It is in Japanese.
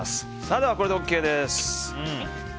では、これでＯＫです。